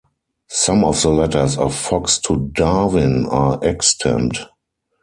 Some of the letters of Fox to Darwin are extant.